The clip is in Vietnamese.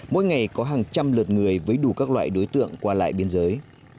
mỗi ngày có hàng trăm lượt người với đủ các loại đối tượng qua lại biên giới